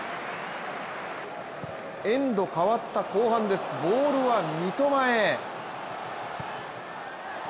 エンド変わった後半です、ボールは三笘へ。